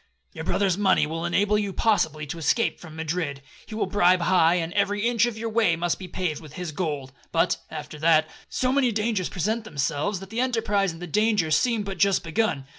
Your brother's money will enable you possibly to escape from Madrid. He will bribe high, and every inch of your way must be paved with his gold. But, after that, so many dangers present themselves, that the enterprise and the danger seem but just begun.